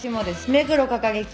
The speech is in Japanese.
目黒係長。